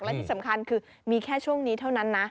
และที่สำคัญคือมีแค่ช่วงนี้เท่านั้นนะ